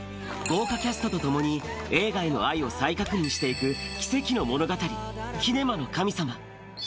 豪華キャストとともに、映画への愛を再確認していく奇跡の物語、キネマの神様。